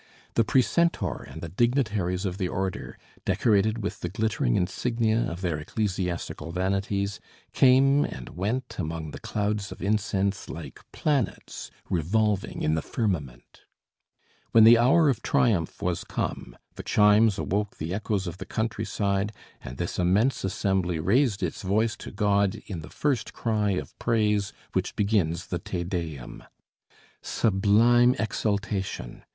The precentor and the dignitaries of the order, decorated with the glittering insignia of their ecclesiastical vanities, came and went among the clouds of incense like planets revolving in the firmament. When the hour of triumph was come the chimes awoke the echoes of the countryside, and this immense assembly raised its voice to God in the first cry of praise which begins the "Te Deum." Sublime exultation!